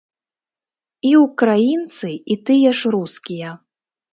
І ўкраінцы, і тыя ж рускія.